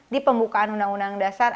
di pembukaan undang undang dasar